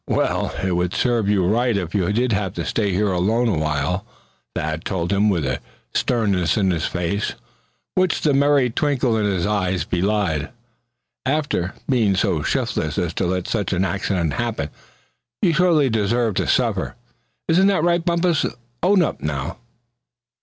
"Well, it would serve you right if you did have to stay here alone awhile," Thad told him, with a sternness in his face which the merry twinkle in his eyes belied. "After being so shiftless as to let such an accident happen, you surely deserve to suffer. Isn't that right, Bumpus; own up now?"